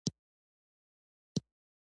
خو دا ډول لېږد رالېږد په بل شکل هم بدلېږي